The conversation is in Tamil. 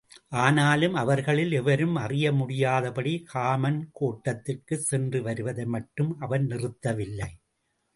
ஆனாலும் அவர்களில் எவரும் அறியமுடியாதபடி காமன் கோட்டத்திற்குச் சென்று வருவதை மட்டும் அவன் நிறுத்த வில்லை.